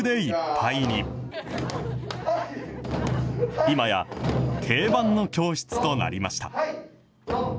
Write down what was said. いまや定番の教室となりました。